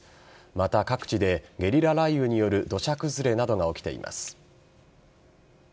また、各地でゲリラ雷雨による土砂崩れなどが起きています。